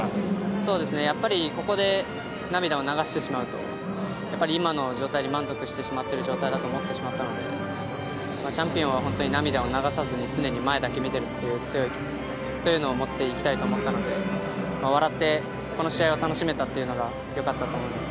そうですね、やっぱりここで涙を流してしまうと、やっぱり今の状態に満足してしまっている状態だと思ってしまったので、チャンピオンは本当に涙を流さずに、常に前だけ見てるっていう強い、そういうのを持っていきたいと思ったので、笑ってこの試合を楽しめたというのがよかったと思います。